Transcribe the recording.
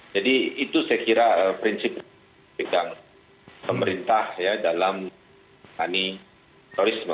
jadi itu saya kira prinsip pegang pemerintah ya dalam mengani terorisme